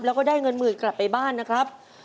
แล้วก็ได้เงินหมื่นกลับไปบ้านนะครับ